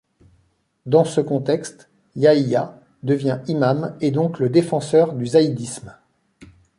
Dans ce contexte, Yahya devient imam et donc le défenseur du zaydisme.